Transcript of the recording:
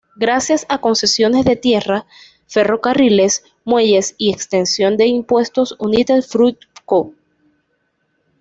Gracias a concesiones de tierra, ferrocarriles, muelles y exención de impuestos United Fruit Co.